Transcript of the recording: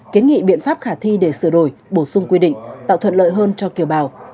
kiến nghị biện pháp khả thi để sửa đổi bổ sung quy định tạo thuận lợi hơn cho kiều bào